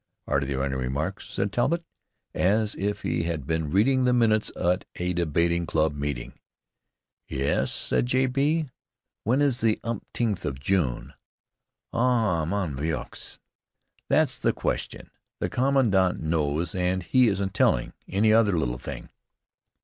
"Are there any remarks?" said Talbott, as if he had been reading the minutes at a debating club meeting. "Yes," said J. B. "When is the umteenth of June?" "Ah, mon vieux! that's the question. The commandant knows, and he isn't telling. Any other little thing?"